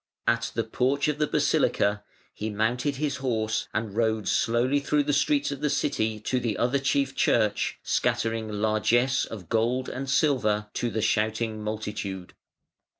At the porch of the basilica he mounted his horse and rode slowly through the streets of the city to the other chief church, scattering largesse of gold and silver to the shouting multitude.